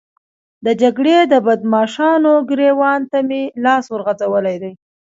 د جګړې د بدماشانو ګرېوان ته مې لاس ورغځولی دی.